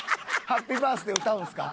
『ハッピーバースデー』歌うんですか？